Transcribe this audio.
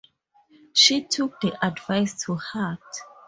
She took the advice to heart.